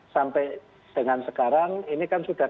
sampai dengan sekarang ini kan sudah